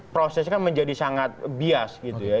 prosesnya kan menjadi sangat bias gitu ya